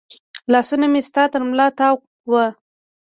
لاسونه مې ستا تر ملا تاو و